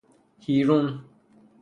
هیرون